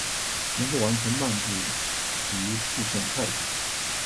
能够完成漫步及部份快步。